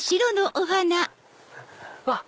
うわっ！